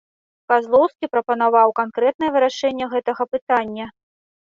Казлоўскі прапанаваў канкрэтнае вырашэнне гэтага пытання.